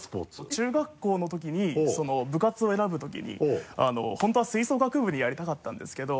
中学校のときに部活を選ぶときに本当は吹奏楽部でやりたかったんですけど。